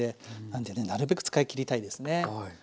なんでねなるべく使いきりたいですね。